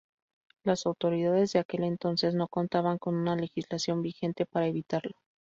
Las autoridades de aquel entonces no contaban con una legislación vigente para evitarlo.